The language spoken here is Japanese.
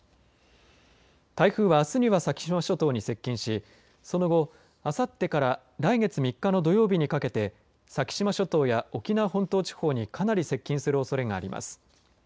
台風はあすには先島諸島に接近しその後あさってから来月３日の土曜日にかけて先島諸島や沖縄本島地方にかなり接近するおそれがあります。